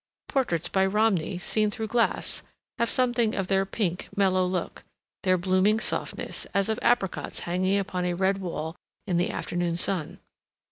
Portraits by Romney, seen through glass, have something of their pink, mellow look, their blooming softness, as of apricots hanging upon a red wall in the afternoon sun.